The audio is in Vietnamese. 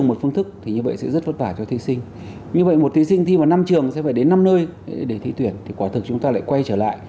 một phách thì dễ nảy sinh tiêu cực